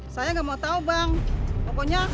saya nggak mau tahu bang pokoknya